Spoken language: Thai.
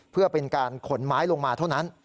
เพื่อเป็นการขนไม้ลงมาเท่านั้น